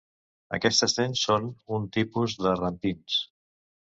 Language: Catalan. Aquestes dents són un tipus de rampins.